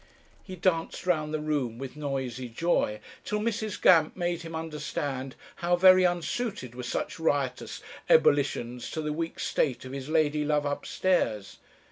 "He danced round the room with noisy joy, till Mrs. Gamp made him understand how very unsuited were such riotous ebullitions to the weak state of his lady love upstairs.